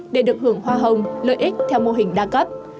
để được hưởng hoa hồng lợi ích theo mô hình đa cấp